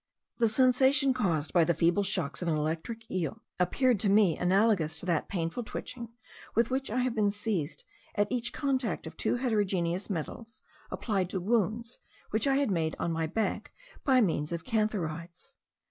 The sensation caused by the feeble shocks of an electric eel appeared to me analogous to that painful twitching with which I have been seized at each contact of two heterogeneous metals applied to wounds which I had made on my back by means of cantharides.